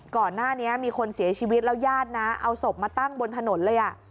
ก่อนหน้านี้มีคนเสียชีวิตแล้วญาตินะเอาศพมาตั้งบนถนนเลย